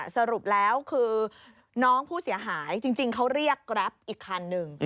สรุปแล้วคือน้องผู้เสียหายจริงเขาเรียกแกรปอีกคันหนึ่ง